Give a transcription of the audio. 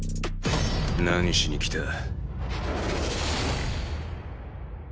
何しに来た？